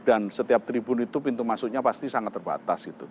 dan setiap tribun itu pintu masuknya pasti sangat terbatas